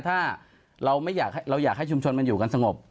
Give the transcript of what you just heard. ถ้าเราไม่อยากให้เราอยากให้ชุมชนมันอยู่กันสงบ